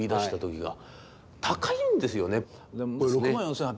高いんですよね。